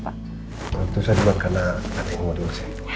waktu itu saya dibantah karena ada yang mau dulu sih